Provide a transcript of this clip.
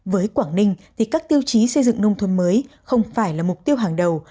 với quảng ninh thì các tiêu chí xây dựng nông thôn mới không phải là mục tiêu hàng đầu